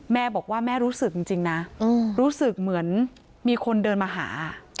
แม่บอกว่าแม่รู้สึกจริงนะรู้สึกเหมือนมีคนเดินมาหา